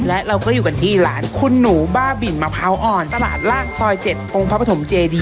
และเราก็อยู่กันที่ร้านคุณหนูบ้าบินมะพร้าวอ่อนตลาดร่างซอย๗องค์พระปฐมเจดี